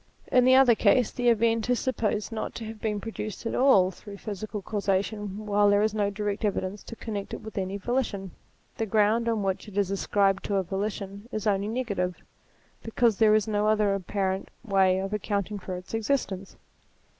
In the other case, the event is supposed not to have been produced at all through physical causation, while there is no direct evidence to con nect it with any volition. The ground on which it is ascribed to a volition is only negative, because there is no other apparent way of accounting for its existence.